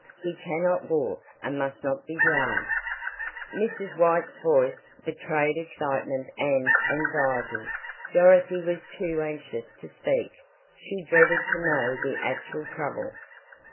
"He cannot walk, and must not be jarred." Mrs. White's voice betrayed excitement and anxiety. Dorothy was too anxious to speak she dreaded to know the actual trouble.